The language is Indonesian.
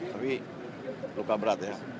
tapi luka berat ya